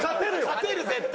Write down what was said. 勝てる絶対！